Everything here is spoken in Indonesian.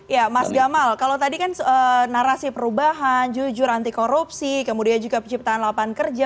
ya mas gamal kalau tadi kan narasi perubahan jujur anti korupsi kemudian juga penciptaan lapangan kerja